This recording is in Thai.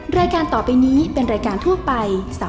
๔คุณกำลังต้องกำลังเที่ยว